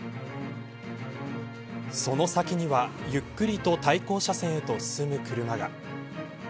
その先には、ゆっくりと対向車線へと進む車が。